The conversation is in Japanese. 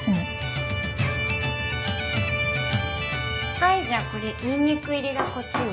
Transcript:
はいじゃあこれニンニク入りがこっちね。